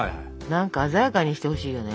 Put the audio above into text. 何か鮮やかにしてほしいよね。